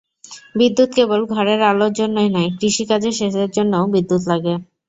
বিদ্যুৎ কেবল ঘরের আলোর জন্যই নয়, কৃষিকাজে সেচের জন্যও বিদ্যুৎ লাগে।